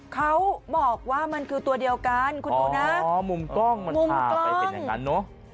เขาบอกว่ามันคือตัวเดียวกันคุณดูนะอ๋อมุมกล้องมันพาไปเป็นอย่างนั้นเนอะ